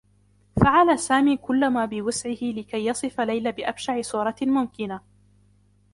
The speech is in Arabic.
فعل سامي كلّ ما بوسعه كي يصف ليلى بأبشع صورة ممكنة.